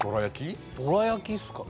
どら焼きっすかね？